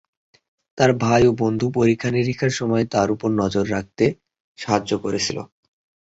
তার ভাই ও বন্ধুও পুরো পরীক্ষানিরীক্ষার সময় তার উপর নজর রাখতে সাহায্য করেছিল।